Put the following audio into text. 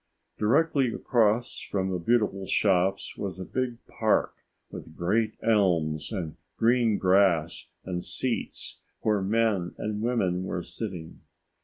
Directly across from the beautiful shops was a big park with great elms and green grass and seats where men and women were sitting.